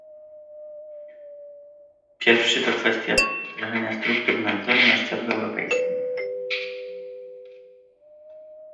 Pierwszy to kwestia wdrażania struktur nadzoru na szczeblu europejskim